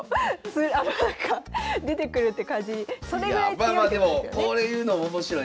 いやあまあまあでもこういうのも面白い。